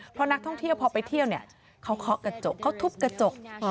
เพราะนักท่องเที่ยวพอไปเที่ยวเนี่ยเขาเคาะกระจกเขาทุบกระจก